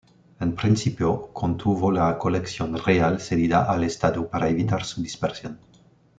En principio contuvo la colección real, cedida al estado para evitar su dispersión.